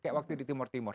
kayak waktu di timor timor